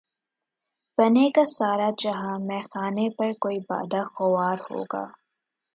بنے گا سارا جہان مے خانہ ہر کوئی بادہ خوار ہوگا